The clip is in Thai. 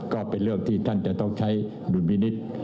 ก็เป็นเรื่องที่ท่านจะต้องใช้ดุลพินิษฐ์